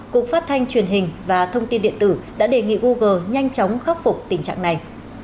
cục phát thanh truyền hình và thông tin điện tử đã đề nghị google nhanh chóng khắc phục tình trạng này